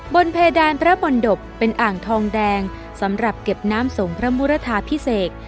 เพดานพระมนตบเป็นอ่างทองแดงสำหรับเก็บน้ำส่งพระมุรทาพิเศษ